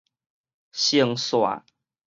乘紲